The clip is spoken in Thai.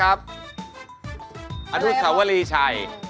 อันทุกสาวรีชัย